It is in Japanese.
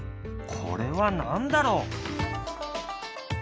これは何だろう？